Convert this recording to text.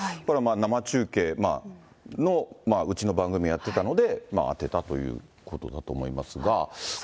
生中継のうちの番組やってたので、当てたということだと思いますが。